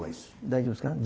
大丈夫ですか？